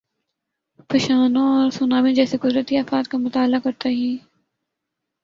فشانوں اور سونامی جیسی قدرتی آفات کا مطالعہ کرتا ہی۔